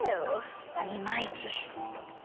いまいち。